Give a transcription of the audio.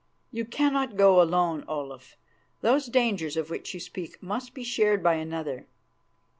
You cannot go alone, Olaf. Those dangers of which you speak must be shared by another."